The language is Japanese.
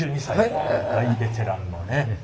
大ベテランのね。